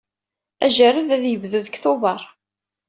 Ajerred ad yebdu deg Tubeṛ.